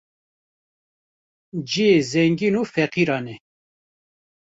cihê zengîn û feqîran e